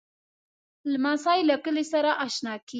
لمسی له کلي سره اشنا کېږي.